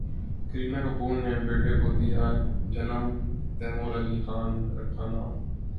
کرینہ کپور نے بیٹے کو دیا جنم، تیمور علی خان رکھا نام